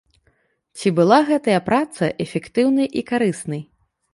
Ці была гэтая праца эфектыўнай і карыснай?